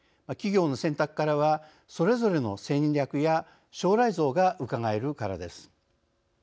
企業の選択からはそれぞれの戦略や将来像がうかがえるからです。